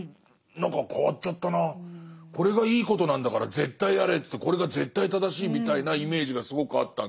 これがいいことなんだから絶対やれってこれが絶対正しいみたいなイメージがすごくあったんで。